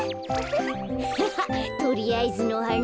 ハハとりあえずのはな。